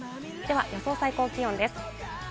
予想最高気温です。